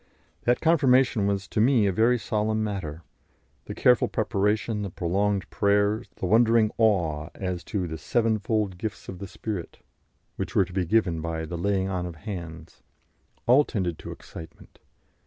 That confirmation was to me a very solemn matter; the careful preparation, the prolonged prayers, the wondering awe as to the "seven fold gifts of the Spirit," which were to be given by "the laying on of hands," all tended to excitement.